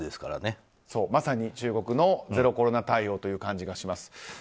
まさに中国のゼロコロナ対応という感じがします。